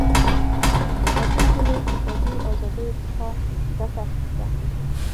ساتونکو له اقتصادي ازادیو څخه ګټه اخیسته.